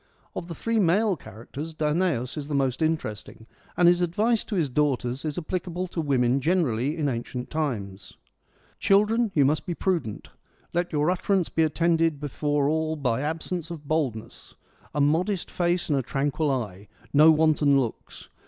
Of the three male characters Danaus is the most interesting, and his advice to his daughters is applicable to women generally in ancient times : Children, you must be prudent : let your utterance be attended before all by absence of boldness : a modest face and a tranquil eye : no wanton looks.